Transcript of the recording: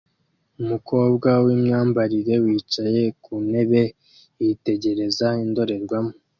Umukobwa w'imyambarire wicaye ku ntebe yitegereza indorerwamo